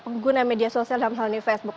pengguna media sosial dalam hal ini facebook